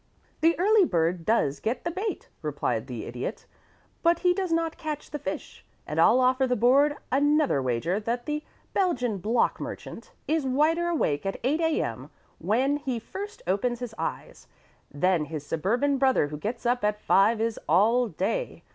"The early bird does get the bait," replied the Idiot. "But he does not catch the fish, and I'll offer the board another wager that the Belgian block merchant is wider awake at 8 A.M., when he first opens his eyes, than his suburban brother who gets up at five is all day.